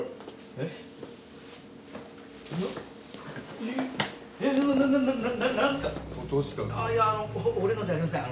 えっいえあの俺のじゃありません。